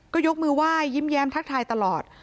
ก็ยกมือไหว้ยิ้มแย้มทักทายตลอด